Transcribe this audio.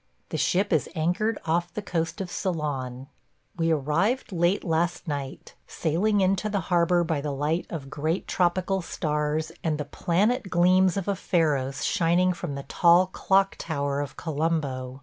The ship is anchored off the coast of Ceylon. We arrived late last night; sailing into the harbor by the light of great tropical stars and the planet gleams of a pharos shining from the tall clock tower of Colombo.